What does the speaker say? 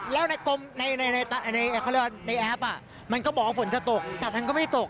แล้วในแอปมันก็บอกว่าฝนจะตกแต่ท่านก็ไม่ตก